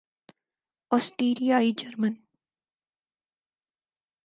آسٹریائی German